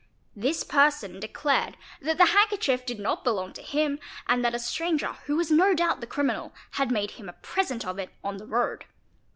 This person declared that the handkerchief did not belong to } him, and that a stranger, who was no doubt the criminal, had made him a present of it on the road.